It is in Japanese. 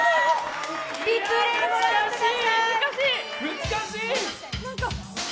難しい！